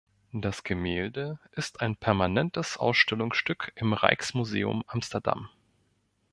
Das Gemälde ist ein permanentes Ausstellungsstück im Rijksmuseum Amsterdam.